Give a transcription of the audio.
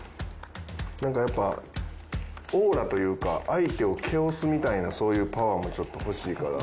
なんかやっぱオーラというか相手を気おすみたいなそういうパワーもちょっと欲しいから。